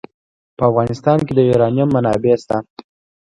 په افغانستان کې د یورانیم منابع شته.